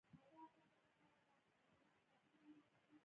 د مخدره توکو قاچاق یوه ستونزه ده.